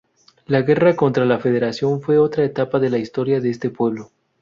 La guerra contra la Federación fue otra etapa de la historia de este pueblo.